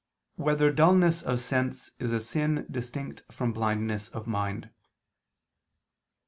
2] Whether Dulness of Sense Is a Sin Distinct from Blindness of Mind?